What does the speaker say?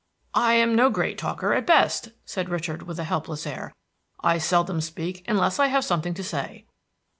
"I am no great talker at best," said Richard with a helpless air. "I seldom speak unless I have something to say."